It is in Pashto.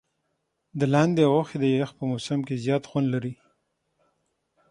د لاندي غوښي د یخ په موسم کي زیات خوند لري.